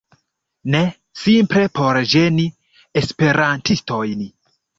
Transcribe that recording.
Ne, simple por ĝeni esperantistojn